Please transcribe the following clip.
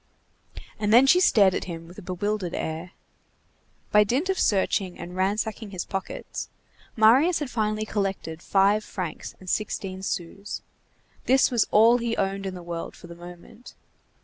And then she stared at him with a bewildered air. By dint of searching and ransacking his pockets, Marius had finally collected five francs sixteen sous. This was all he owned in the world for the moment.